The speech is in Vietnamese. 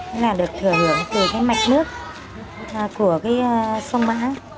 đó là được thừa hưởng từ cái mạch nước của cái sông mã